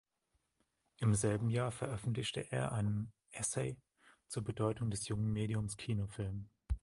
Im selben Jahr veröffentlichte er einen Essay zur Bedeutung des jungen Mediums Kinofilm.